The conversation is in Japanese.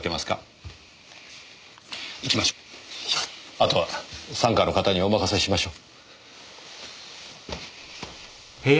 あとは三課の方にお任せしましょう。